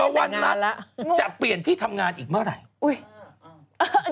วันรัฐจะเปลี่ยนที่ทำงานอีกเมื่อไหร่